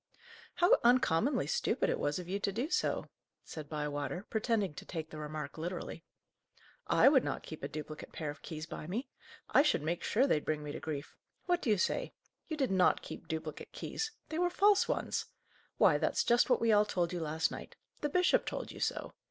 "How uncommonly stupid it was of you to do so!" said Bywater, pretending to take the remark literally. "I would not keep a duplicate pair of keys by me I should make sure they'd bring me to grief. What do you say? You did not keep duplicate keys they were false ones! Why, that's just what we all told you last night. The bishop told you so.